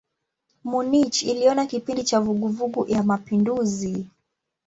Munich iliona kipindi cha vuguvugu ya mapinduzi.